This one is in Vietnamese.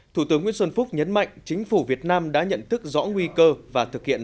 thủ tướng nguyễn xuân phúc nhấn mạnh chính phủ việt nam đã nhận thức rõ nguy cơ và thực hiện